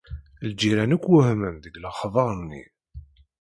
Lǧiran akk wehmen deg lexber-nni.